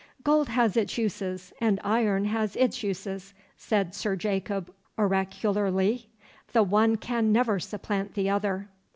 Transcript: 'Gold has its uses, and iron has its uses,' said Sir Jacob oracularly. 'The one can never supplant the other.